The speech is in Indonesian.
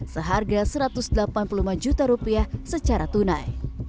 seharga satu ratus delapan puluh lima juta rupiah secara tunai